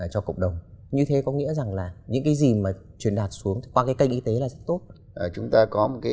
chúng ta có một cái